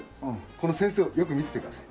この扇子をよく見ててください。